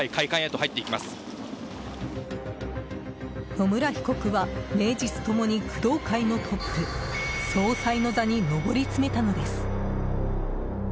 野村被告は名実共に工藤会のトップ総裁の座に上り詰めたのです。